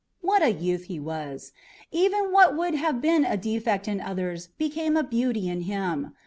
What a youth he was! Even what would have been a defect in others became a beauty in him.